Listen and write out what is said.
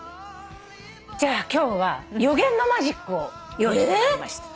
じゃあ今日は予言のマジックを用意してまいりました。